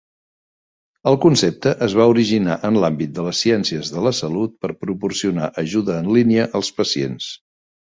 El concepte es va originar en l'àmbit de les ciències de la salut per proporcionar ajuda en línia als pacients.